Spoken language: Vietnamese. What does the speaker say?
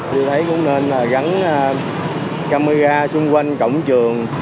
tôi thấy cũng nên gắn camera xung quanh cổng trường